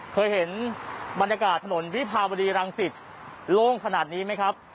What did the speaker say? เคยเห็นบรรยากาศถนนวิภาวดีรังสิตโล่งขนาดนี้ไหมครับ